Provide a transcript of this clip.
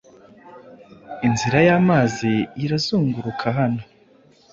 inzira yamazi irazunguruka hano